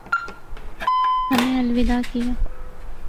ہمیں الوداع کیا